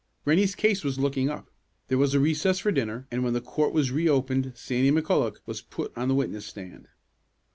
Rennie's case was looking up. There was a recess for dinner, and, when court was re opened, Sandy McCulloch was put on the witness stand.